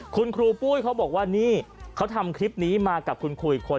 คุณครูปุ้ยเขาบอกว่านี่เขาทำคลิปนี้มากับคุณครูอีกคน